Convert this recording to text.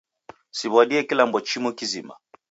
Siw'adie kilambo chimu kizima